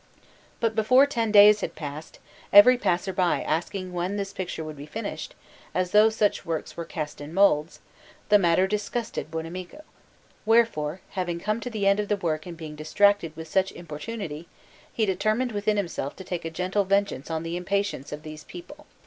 But before ten days had passed, every passer by asking when this picture would be finished, as though such works were cast in moulds, the matter disgusted Buonamico; wherefore, having come to the end of the work and being distracted with such importunity, he determined within himself to take a gentle vengeance on the impatience of these people.